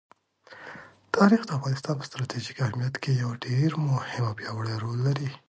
تاریخ د افغانستان په ستراتیژیک اهمیت کې یو ډېر مهم او پیاوړی رول لري.